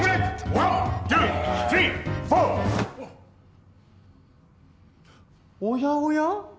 おやおや？